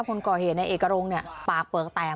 พวกผู้ก่อเหตุในเอกรงปากเปลือกแตม